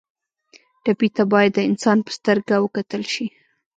ټپي ته باید د انسان په سترګه وکتل شي.